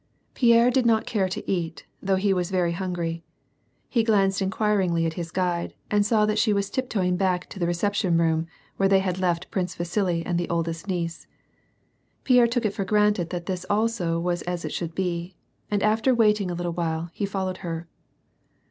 Pierre did not care to eat, though he was very hungry. He glaaced inquiringly at his guide, and saw that she was tiptoing back to the reception room, whei e they had left Prince Vasili and the oldest niece. Pierre took it for granted that this also was a^ it should be, and after waiting a little while, he followed her.